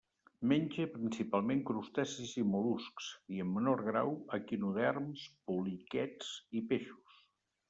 Menja principalment crustacis i mol·luscs, i, en menor grau, equinoderms, poliquets i peixos.